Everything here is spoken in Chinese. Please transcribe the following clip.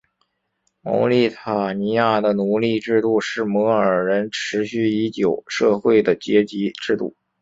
茅利塔尼亚的奴隶制度是摩尔人持续已久社会的阶级制度。